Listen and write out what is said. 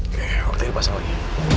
oke waktu ini pasang lagi